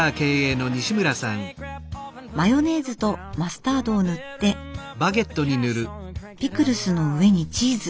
マヨネーズとマスタードを塗ってピクルスの上にチーズ。